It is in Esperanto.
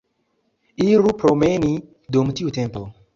Iru promeni dum tiu tempo.